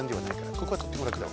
ここはとってもらくだわ。